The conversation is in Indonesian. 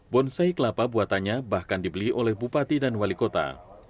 bonsai kelapa buatannya bahkan dibeli oleh bupati dan wali kota